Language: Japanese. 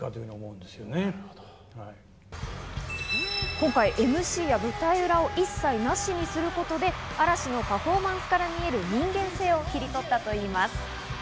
今回、ＭＣや舞台裏を一切なしにすることで、嵐のパフォーマンスから見える人間性を切り取ったといいます。